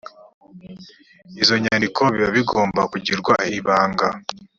izo nyandiko biba bigomba kugirwa ibanga